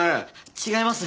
違います。